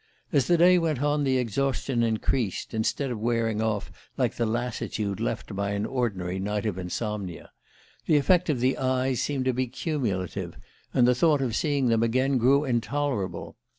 As the day went on the exhaustion increased, instead of wearing off like the lassitude left by an ordinary night of insomnia: the effect of the eyes seemed to be cumulative, and the thought of seeing them again grew intolerable.